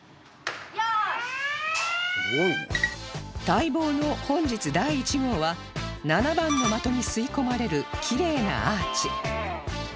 待望の本日第１号は７番の的に吸い込まれるきれいなアーチ